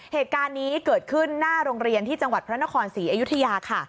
เหตุการณ์นี้เกิดขึ้นหน้าโรงเรียนที่จังหวัดพระนครศรีอยุธยาค่ะ